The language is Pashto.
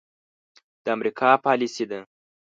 د امريکا پاليسي ده.